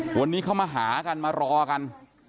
วันนี้เขามาหากันมารอกัน